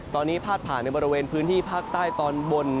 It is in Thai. ตอนนี้พาดผ่านในบริเวณพื้นที่ภาคใต้ตอนบน